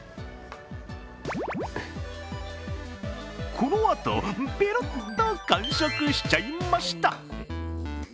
このあとぺろっと完食しちゃいました。